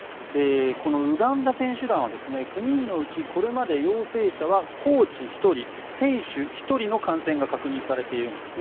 このウガンダ選手団は９人のうちこれまで陽性者はコーチ１人選手１人の感染が確認されているんですね。